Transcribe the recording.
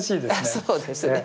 そうですね。